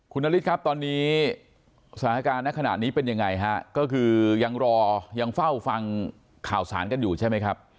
คุณนฤทธิ์ครับตอนนี้สถานการณ์ในขณะนี้เป็นยังไงฮะก็คือยังรอยังเฝ้าฟังข่าวสารกันอยู่ใช่ไหมครับ